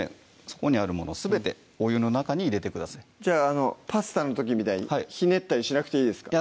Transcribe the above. そこにあるものすべてお湯の中に入れてくださいじゃあパスタの時みたいにひねったりしなくていいですか？